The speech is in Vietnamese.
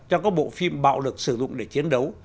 cho các bộ phim bạo lực sử dụng để chiến đấu